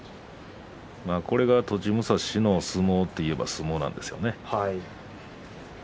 これが栃武蔵の相撲といえば相撲なんですね。